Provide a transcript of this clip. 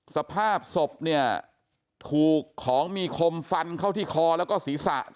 สภาพศพเนี่ยถูกของมีคมฟันเข้าที่คอแล้วก็ศีรษะ